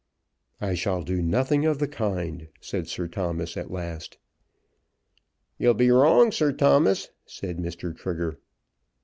"I shall do nothing of the kind," said Sir Thomas at last. "You'll be wrong, Sir Thomas," said Mr. Trigger.